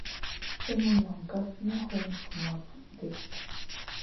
Sumun nong kaf may hum vuna van di.